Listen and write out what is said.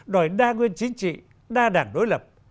đòi đa nguyên chính trị đa đảng đối lập